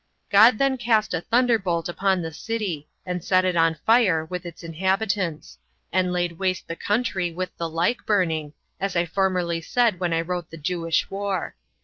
God then cast a thunderbolt upon the city, and set it on fire, with its inhabitants; and laid waste the country with the like burning, as I formerly said when I wrote the Jewish War.